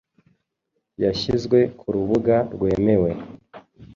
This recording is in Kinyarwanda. yashyizwe kurubuga rwemewe